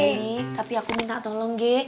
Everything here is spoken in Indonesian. nah ini tapi aku minta tolong ge